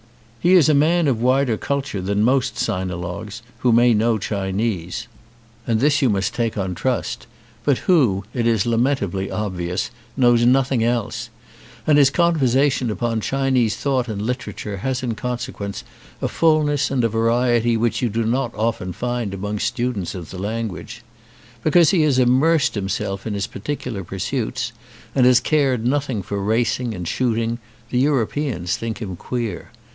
He is a man of wider culture than most sinologues, who may know Chinese, and this you must take on ON A CHINESE SCEEEN trust, but who, it is lamentably obvious, know nothing else; and his conversation upon Chinese thought and literature has in consequence a full ness and a variety which you do not often find among students of the language. Because he has immersed himself in his particular pursuits and has cared nothing for racing and shooting the Europeans think him queer.